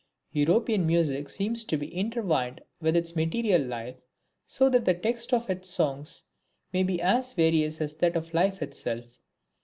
European music seems to be intertwined with its material life, so that the text of its songs may be as various as that life itself.